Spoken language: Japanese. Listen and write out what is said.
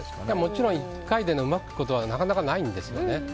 もちろん１回でうまくいくことはなかなかないんですね。